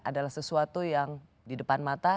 adalah sesuatu yang di depan mata